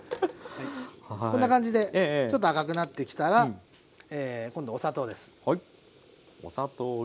こんな感じでちょっと赤くなってきたら今度お砂糖です。